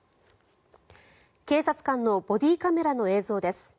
警察官のボディーカメラの映像です。